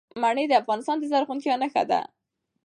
منی د افغانستان د زرغونتیا نښه ده.